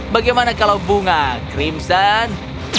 bagaimana kalau bunga crimson